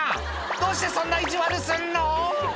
「どうしてそんな意地悪すんの？」